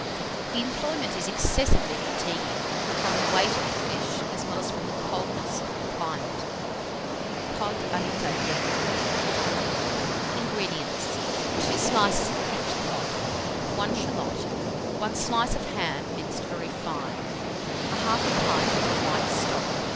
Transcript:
The employment is excessively fatiguing, from the weight of the fish as well as from the coldness of the climate. COD A L'ITALIENNE. 241. INGREDIENTS. 2 slices of crimped cod, 1 shalot, 1 slice of ham minced very fine, 1/2 pint of white stock, No.